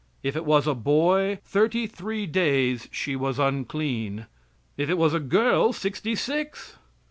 If it was a boy, thirty three days she was unclean; if it was a girl, sixty six.